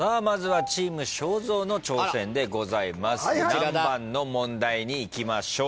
何番の問題にいきましょう？